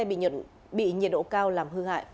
bị nhiệt độ cao làm hư hại